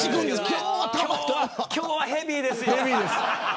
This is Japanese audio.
今日はヘビーですよ。